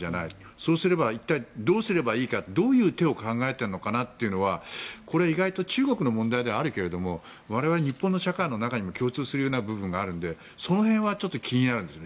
そうすれば一体どうすればいいかどういう手を考えているのかなというのはこれは意外と中国の問題ではあるけれども我々日本の社会の中にも共通するような部分があるのでその辺は気になるんですね。